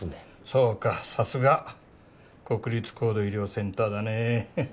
そうかさすが国立高度医療センターだね。